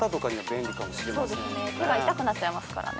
手が痛くなっちゃいますからね。